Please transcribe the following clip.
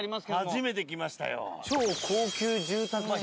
初めて来ましたよ。